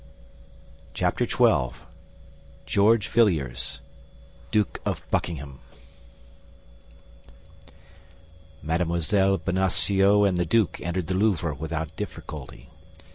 Chapter XII. GEORGE VILLIERS, DUKE OF BUCKINGHAM Mme. Bonacieux and the duke entered the Louvre without difficulty.